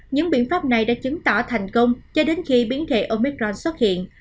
những biện pháp này đã chứng tỏ thành công cho đến khi biến thể omicron xuất hiện